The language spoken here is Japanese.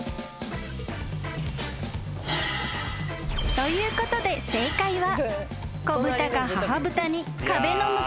［ということで正解は］